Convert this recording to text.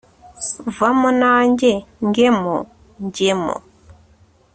vamo nange ngemo njyemo